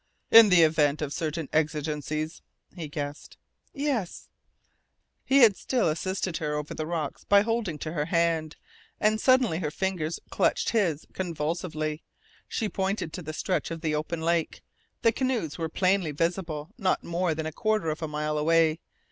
"In the event of certain exigencies," he guessed. "Yes." He had still assisted her over the rocks by holding to her hand, and suddenly her fingers clutched his convulsively. She pointed to a stretch of the open lake. The canoes were plainly visible not more than a quarter of a mile away.